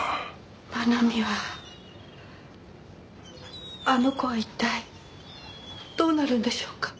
愛美はあの子は一体どうなるんでしょうか？